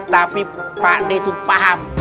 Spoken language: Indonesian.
tapi pak d tuh paham